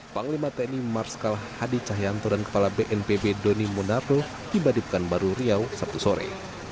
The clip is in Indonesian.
panglima tni marskal hadi cahyanto dan kepala bnpb doni monarto dibadikan baru riau sabtu sore